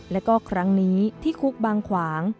แล้วก็ครั้งนี้ที่คุกบางขวาง